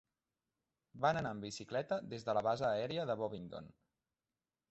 Van anar en bicicleta des de la base aèria de Bovingdon.